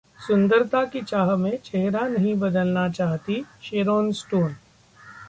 सुंदरता की चाह में चेहरा नहीं बदलना चाहतीं शेरोन स्टोन